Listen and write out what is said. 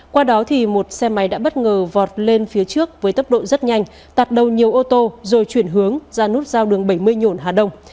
qua đó thì một xe máy đã bất ngờ vọt lên phía trước với tốc độ rất nhanh tạt đầu nhiều ô tô rồi chuyển hướng ra nút giao đường bảy mươi nhộn hà đông